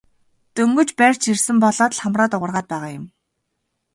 Дөнгөж барьж ирсэн болоод л хамраа дуугаргаад байгаа юм.